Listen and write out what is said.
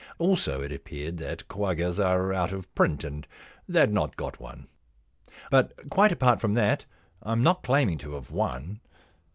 Also, it appeared that quaggas are out of print and they'd not got one. * But quite apart from that I'm not claiming to have won.